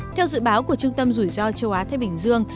theo dự báo của trung tâm rủi ro châu á thái bình dương